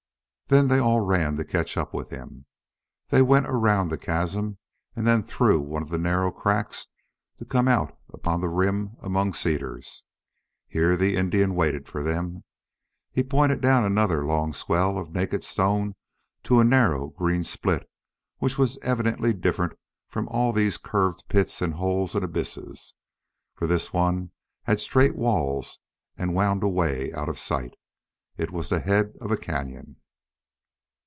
Then they all ran to catch up with him. They went around the chasm, and then through one of the narrow cracks to come out upon the rim, among cedars. Here the Indian waited for them. He pointed down another long swell of naked stone to a narrow green split which was evidently different from all these curved pits and holes and abysses, for this one had straight walls and wound away out of sight. It was the head of a cañon.